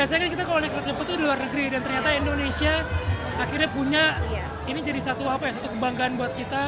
biasanya kan kita kalau naik kereta cepat itu di luar negeri dan ternyata indonesia akhirnya punya ini jadi satu apa ya satu kebanggaan buat kita